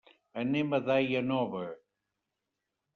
Anem a Daia Nova.